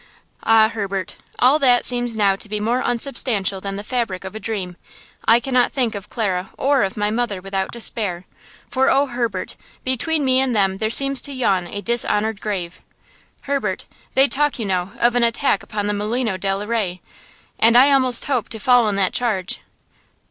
"Ah, Herbert, all that seems now to be more unsubstantial than the fabric of a dream. I cannot think of Clara or of my mother without despair. For oh, Herbert, between me and them there seems to yawn a dishonored grave! Herbert, they talk, you know, of an attack upon the Molino del Rey, and I almost hope to fall in that charge!"